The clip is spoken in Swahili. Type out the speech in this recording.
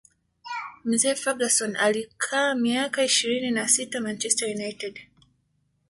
mzee Ferguson alikaa miaka ishirini na sita manchester united